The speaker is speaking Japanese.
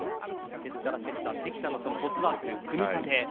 ですからセッター、関田のトスワーク、組み立て。